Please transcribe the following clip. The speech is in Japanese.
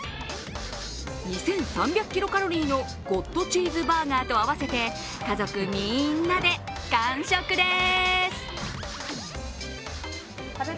キロカロリーのゴッドチーズバーガーと合わせて家族みんなで完食です。